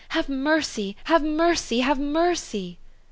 Have mercy, have mercy, have mercy!